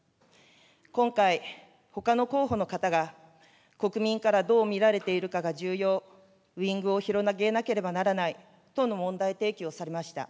今回、ほかの候補の方が国民からどう見られているかが重要、ウイングを広げなければならないとの問題提起をされました。